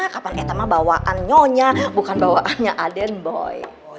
kapan kita mah bawaan nyonya bukan bawaannya aden boy